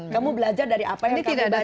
kamu belajar dari apa yang kami baca